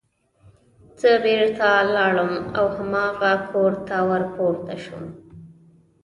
زه بېرته لاړم او هماغه کور ته ور پورته شوم